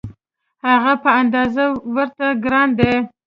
هغه په اندازه ورته ګران دی.